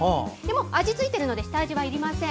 味がついてるので下味はいりません。